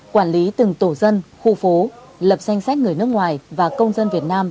quản lý từng tổ dân khu phố lập danh sách người nước ngoài và công dân việt nam